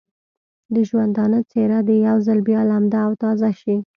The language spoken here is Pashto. د ژوندانه څېره دې یو ځل بیا لمده او تازه شي.